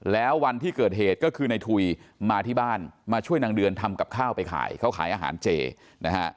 แล้ววันที่เกิดเหตุก็คือในถุยมาที่บ้านมาช่วยนางเดือนทำกับข้าวไปขายเขาขายอาหารเจนะฮะ